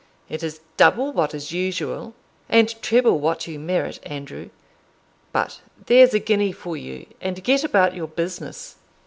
"It is double what is usual, and treble what you merit, Andrew; but there's a guinea for you, and get about your business."